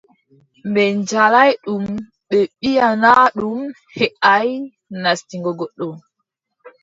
Ɓe njaalaay ɗum ɓe mbiʼa naa ɗum heʼaay nastingo goɗɗo.